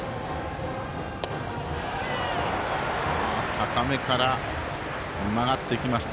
高めから曲がってきました。